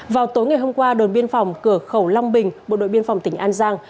vào tối ngày hôm qua đồn biên phòng cửa khẩu long bình bộ đội biên phòng tỉnh an giang